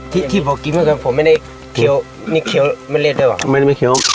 ที่ที่ผมกินเมื่อก่อนผมไม่ได้เขียวนี่เขียวเมล็ดได้หรอไม่ได้เขียว